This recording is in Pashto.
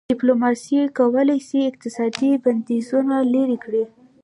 ډيپلوماسي کولای سي اقتصادي بندیزونه لېرې کړي.